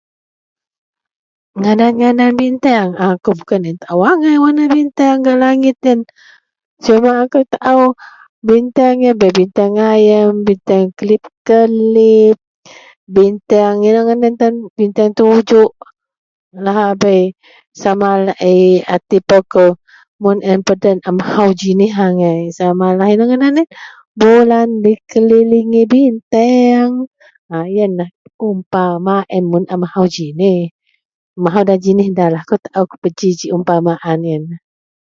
Ngadan-ngadan biteang akou bukan tao, tao angai wak biteang gak langit iyen cuma akou taao biteang bei biteang ayeng biteang kelip-kelip biteang ino ngadan biteang tujok lahabei sama laei tipo kou mun ayen peden a mahou jinih angai samalah ino ngadan iyen bulan dikelilingi biteang iyen lah umpama mun a mahou jinih mun a mahou da jinih eh da lah akou ku ji ji umpamaan iyen.